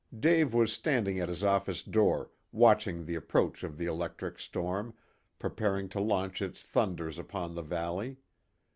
Dave was standing at his office door watching the approach of the electric storm, preparing to launch its thunders upon the valley.